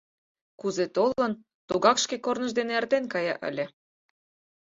Кузе толын, тугак шке корныж дене эртен кая ыле.